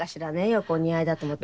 よくお似合いだと思って。